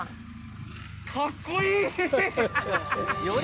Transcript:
かっこいい！